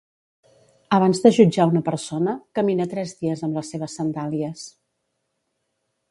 Abans de jutjar una persona, camina tres dies amb les seves sandàlies.